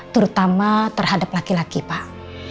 terutama terhadap laki laki pak